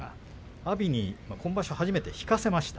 阿炎に今場所初めて引かせました。